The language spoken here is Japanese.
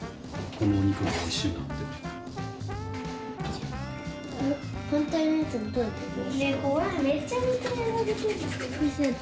この肉がおいしいんだって。